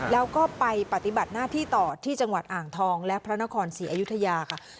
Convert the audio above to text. แล้วก็ไปปฏิบัติหน้าที่ต่อที่จังหวัดอ่างทองและพระนครศรีอยุธยาค่ะ